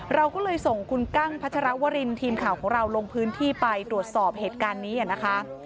เราก็เลยส่งคุณกั้งพัชรวรินทีมข่าวของเราลงพื้นที่ไปตรวจสอบเหตุการณ์นี้นะคะ